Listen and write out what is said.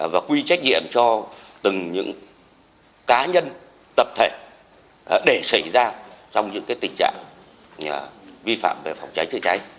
và quy trách nhiệm cho từng những cá nhân tập thể để xảy ra trong những tình trạng vi phạm về phòng cháy chữa cháy